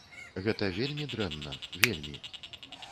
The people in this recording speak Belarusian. Гэта вельмі дрэнна, вельмі.